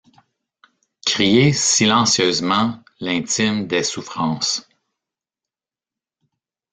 Crier silencieusement l'intime des souffrances.